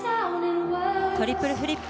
トリプルフリップ。